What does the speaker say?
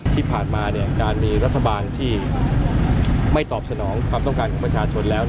ที่ผ่านมาการมีรัฐบาลที่ไม่ตอบสนองความต้องการของประชาชนแล้ว